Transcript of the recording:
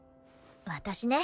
私ね